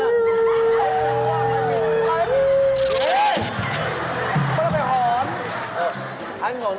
ต้องไปหอม